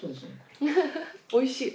おいしい。